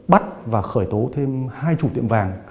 bắt và khởi tố thêm hai chủ tiệm vàng